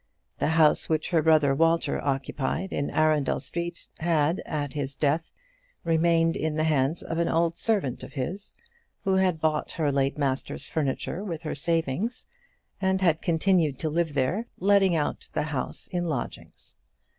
The house which her brother Walter occupied in Arundel Street had, at his death, remained in the hands of an old servant of his, who had bought her late master's furniture with her savings, and had continued to live there, letting out the house in lodgings.